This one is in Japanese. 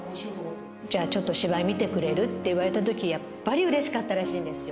じゃあちょっと芝居見てくれる？って言ったとき、やっぱりうれしかったらしいんですよ。